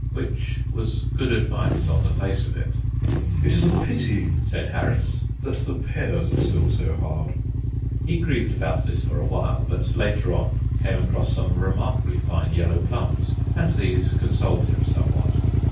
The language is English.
Which was good advice, on the face of it. "It is a pity," said Harris, "that the pears are still so hard." He grieved about this for a while, but later on came across some remarkably fine yellow plums and these consoled him somewhat.